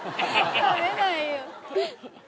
食べないよ。